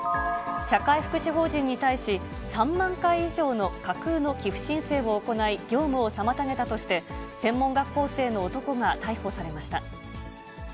社会福祉法人に対し、３万回以上の架空の寄付申請を行い、業務を妨げたとして、専門学校生の男が逮捕されました。